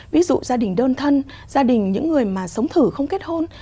ví dụ gia đình đơn thân gia đình những người mà sống thử không kết hôn